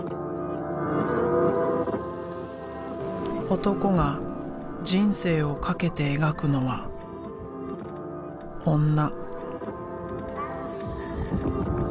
男が人生をかけて描くのは「女」。